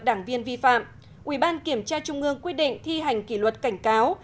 đảng viên vi phạm ubktq quy định thi hành kỷ luật cảnh cáo